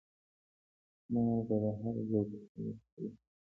مالګه د هر ذوق خلک خوري.